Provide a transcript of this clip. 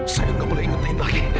saya gak boleh ingetin lagi